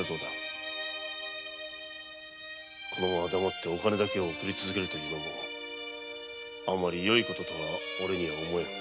このまま黙って金だけを送り続けるというのもあまり良い事とはおれには思えん。